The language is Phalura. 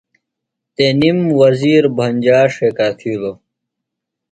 تنِم وزیر بھنجا ݜیکا تِھیلوۡ۔